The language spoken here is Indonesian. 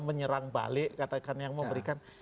menyerang balik katakan yang memberikan